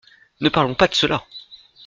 Ne parlons pas de cela !